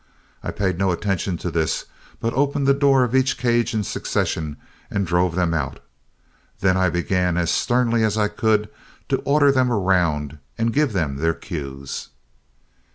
I paid no attention to this, but opened the door of each cage in succession and drove them out. Then I began as sternly as I could to order them round and give them their cues.